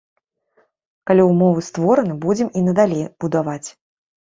Калі ўмовы створаны, будзем і надалей будаваць.